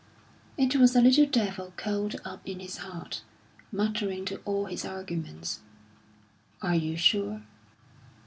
It was a little devil curled up in his heart, muttering to all his arguments, "Are you sure?"